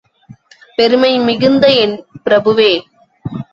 பெருமை மிகுந்த என் பிரபுவே!